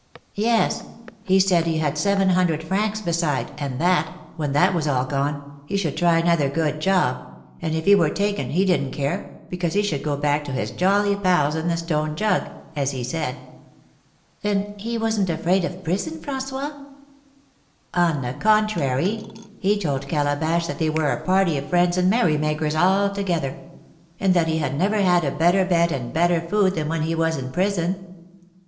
"Yes; he said he had seven hundred francs beside, and that, when that was all gone, he should try another good 'job;' and if he were taken, he didn't care, because he should go back to his jolly 'pals in the Stone Jug,' as he said." "Then he wasn't afraid of prison, François?" "On the contrary; he told Calabash that they were a party of friends and merrymakers all together; and that he had never had a better bed and better food than when he was in prison.